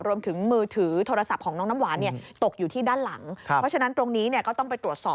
รวมถึงมือถือโทรศัพท์ของน้องน้ำหวานตกอยู่ที่ด้านหลัง